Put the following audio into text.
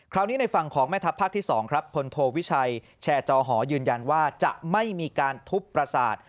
ในฝั่งของแม่ทัพภาคที่๒ครับพลโทวิชัยแชร์จอหอยืนยันว่าจะไม่มีการทุบประสาท